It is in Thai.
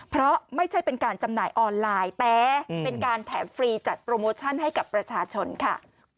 เพราะไม่ใช่เป็นการจำหน่ายออนไลน์แต่เป็นการแถมฟรีจัดโปรโมชั่นให้กับประชาชนค่ะ